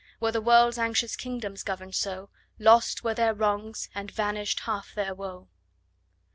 Were the world's anxious kingdoms govern'd so, Lost were their wrongs, and vanish'd half their woe!